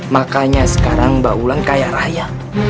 makanya sekarang mbak wulan kaya raya